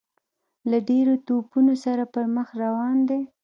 له ډیرو توپونو سره پر مخ روان دی.